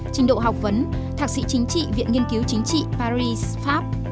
trình độ học vấn thạc sĩ chính trị viện nghiên cứu chính trị paris pháp